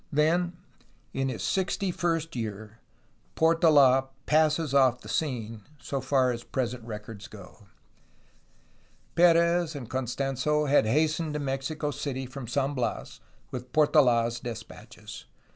Then in his sixty first year, Portold passes off the scene, so far as present records go. P^rez and Costans6 had hastened to Mexico City from San Bias with PortoM's despatches.